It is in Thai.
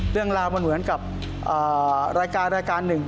เรื่องล่ามันเหมือนกับรายการหนึ่ง